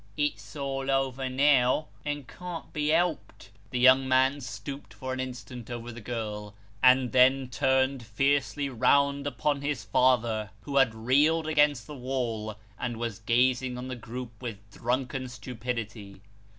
It's all over now, and can't be helped." The young man stooped for an instant over the girl, and then turned fiercely round upon his father, who had reeled against the wall, and was gazing on the group with drunken stupidity.